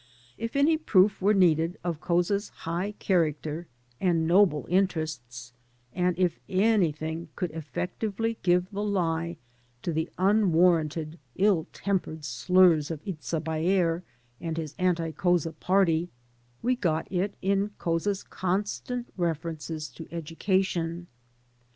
If any proof were needed of Couza's high character and noble interests, and if anything could effectively give the lie to the unwarranted, ill tempered slurs of Itza Baer and his anti Couza party, we got it in Couza's constant references to education.